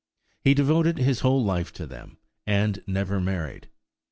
He devoted his whole life to them, and never married.